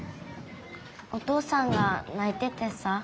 お父さんがないててさ。